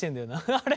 あれ？